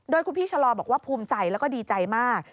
โดยคุณพี่ชะลอบอกว่าภูมิใจแล้วก็ดีใจมาก